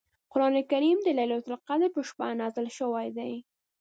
قران کریم د لیلة القدر په شپه نازل شوی دی .